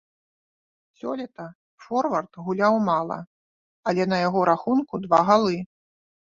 Сёлета форвард гуляў мала, але на яго рахунку два галы.